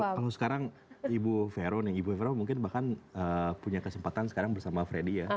kalau sekarang ibu veron yang ibu vero mungkin bahkan punya kesempatan sekarang bersama freddy ya